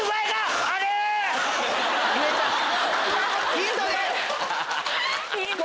ヒントです！